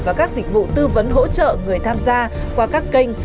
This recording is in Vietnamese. và các dịch vụ tư vấn hỗ trợ người tham gia qua các kênh